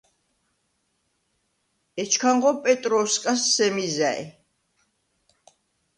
ეჩქანღო პეტროუ̂სკას სემი ზა̈ჲ.